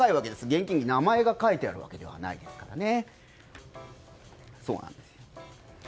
現金に名前が書いてあるわけではないですからね。